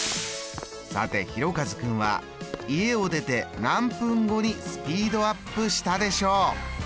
さてひろかず君は家を出て何分後にスピードアップしたでしょう」。